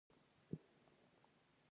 کورني اړیکي درلودل.